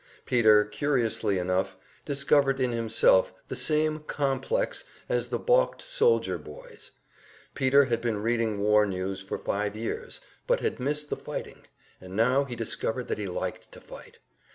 Peter, curiously enough, discovered in himself the same "complex" as the balked soldier boys. Peter had been reading war news for five years, but had missed the fighting; and now he discovered that he liked to fight.